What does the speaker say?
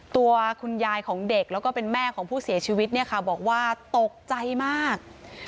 ตัวคุณยายของเด็กแล้วก็เป็นแม่ของผู้เสียชีวิตเนี่ยค่ะบอกว่าตกใจมาก